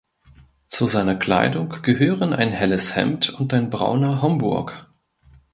Zu seiner Kleidung gehören ein helles Hemd und ein brauner Homburg.